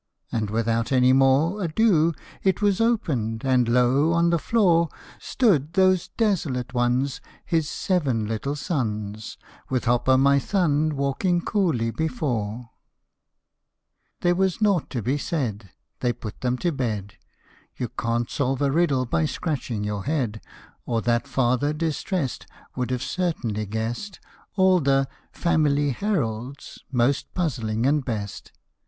And without any more Ado, it was opened and, lo ! on the floor Stood those desolate ones, His seven little sons, With Hop o' my Thumb walking coolly before ! There was nought to be said : They put them to bed ; You can't solve a riddle by scratching your head, Or that father distrest Would have certainly guessed All the " Family Herald's " most puzzling and best.